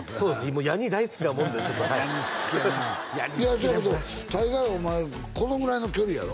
もうヤニ大好きなもんでちょっとヤニ好きやないやそうやけど大概お前このぐらいの距離やろ？